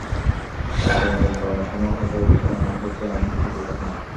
তাঁর দৈনন্দিন কর্মসমূহ হয়তো অতি সাধারণ মানুষের চেয়ে এমন কিছু পৃথক নয়।